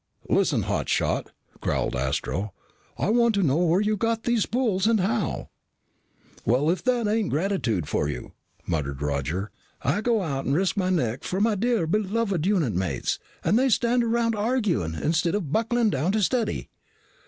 "Listen, hot shot!" growled Astro. "I want to know where you got these spools and how." "Well, if that isn't gratitude for you!" muttered Roger. "I go out and risk my neck for my dear beloved unit mates and they stand around arguing instead of buckling down to study."